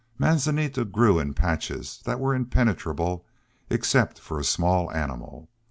Manzanita grew in patches that were impenetrable except for a small animal.